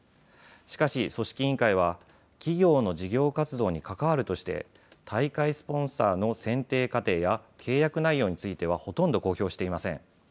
しかし、組織委員会は企業の事業活動に関わるとして大会スポンサーの選定過程や契約内容についてはほとんど公表していません。